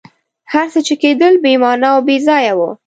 هر څه چي کېدل بي معنی او بېځایه وه.